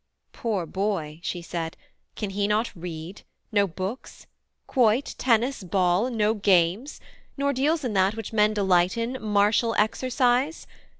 'Poor boy,' she said, 'can he not read no books? Quoit, tennis, ball no games? nor deals in that Which men delight in, martial exercise?